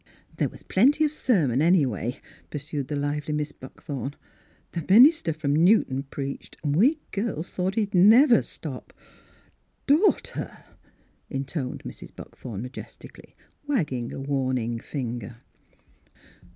" There was plenty of sermon, any 'way," pursued the lively Miss Buckthorn. " The minister from Newton preached ; we girls thought he'd never stop !"" Daughter !" intoned Mrs. Buckthorn majestically, wagging a warning finger.